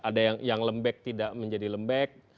ada yang lembek tidak menjadi lembek